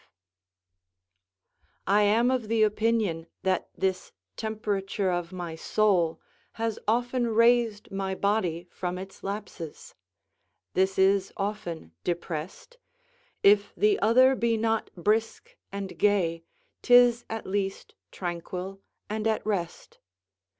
] I am of the opinion that this temperature of my soul has often raised my body from its lapses; this is often depressed; if the other be not brisk and gay, 'tis at least tranquil and at rest.